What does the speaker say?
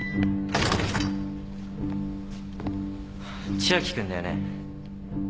千秋君だよね？